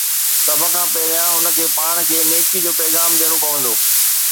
سڀ کان پهريان، هن کي پاڻ کي نيڪي جو پيغام ڏيڻو پوندو.